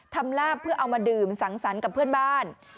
ลาบเพื่อเอามาดื่มสังสรรค์กับเพื่อนบ้าน